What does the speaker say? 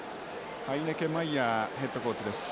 ハイネケメイヤーヘッドコーチです。